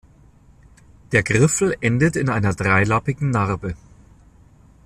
Der Griffel endet in einer dreilappigen Narbe.